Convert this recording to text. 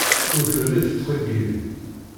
Ur telli tettqeyyil.